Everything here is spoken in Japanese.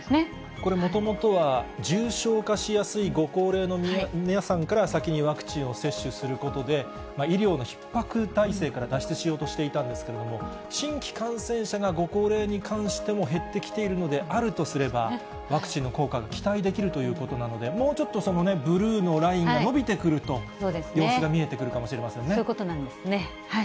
これ、もともとは、重症化しやすいご高齢の皆さんから先にワクチンを接種することで、医療のひっ迫体制から脱出しようとしていたんですけれども、新規感染者がご高齢に関しても減ってきているのであるとすれば、ワクチンの効果、期待できるということなので、もうちょっとその、ブルーのラインが延びてくると、様子が見えてくるかもしれませんそういうことなんですね。